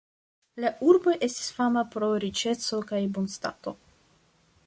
La urbo estis fama pro riĉeco kaj bonstato.